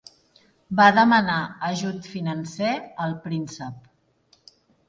Va demanar ajut financer al príncep.